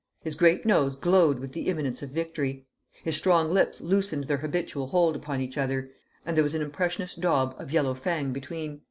His great nose glowed with the imminence of victory. His strong lips loosened their habitual hold upon each other, and there was an impressionist daub of yellow fang between.